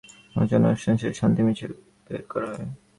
সেখানে মহানবীর জীবন নিয়ে আলোচনা অনুষ্ঠান শেষে শান্তি মিছিল বের করা হয়।